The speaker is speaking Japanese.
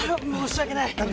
申し訳ない。